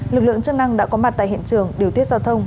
lực lượng chức năng đã có mặt tại hiện trường điều tiết giao thông